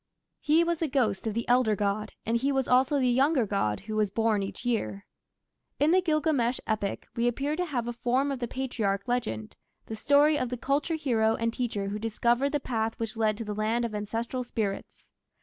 He was the ghost of the elder god, and he was also the younger god who was born each year. In the Gilgamesh epic we appear to have a form of the patriarch legend the story of the "culture hero" and teacher who discovered the path which led to the land of ancestral spirits.